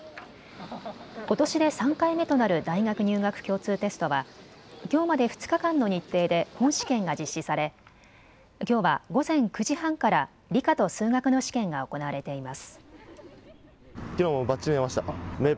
ことしで３回目となる大学入学共通テストはきょうまで２日間の日程で本試験が実施されきょうは午前９時半から理科と数学の試験が行われています。